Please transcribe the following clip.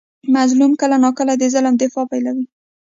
مظلوم کله ناکله د ظالم دفاع پیلوي.